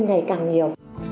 cái này càng nhiều